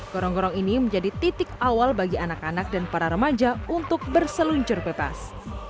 gorong gorong ini menjadi titik awal bagi anak anak dan para remaja untuk berseluncur bebas